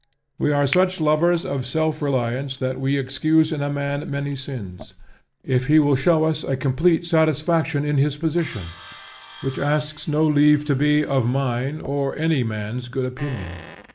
We are such lovers of self reliance that we excuse in a man many sins if he will show us a complete satisfaction in his position, which asks no leave to be, of mine, or any man's good opinion.